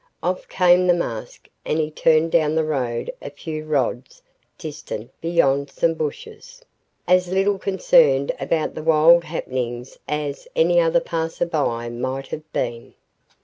Off came the mask and he turned down the road a few rods distant beyond some bushes, as little concerned about the wild happenings as any other passer by might have been.